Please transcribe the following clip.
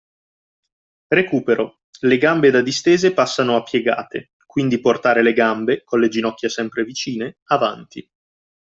Recupero: le gambe da distese passano a piegate, quindi portare le gambe, con le ginocchia sempre vicine, avanti.